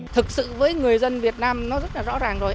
thực sự với người dân việt nam nó rất là rõ ràng rồi